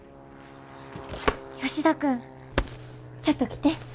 吉田君ちょっと来て。